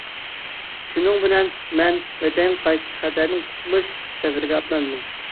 شۇنىڭ بىلەن مەن ۋەتەنگە قايتىش، خەتەردىن قۇتۇلۇش سەپىرىگە ئاتلاندىم.